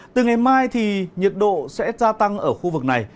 từ ngày mai thì nhiệt độ sẽ gia tăng ở khu vực này